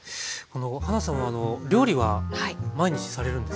はなさんは料理は毎日されるんですか？